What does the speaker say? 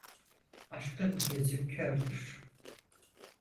Aşkın gözü kördür.